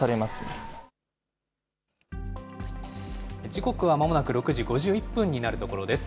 時刻はまもなく６時５１分になるところです。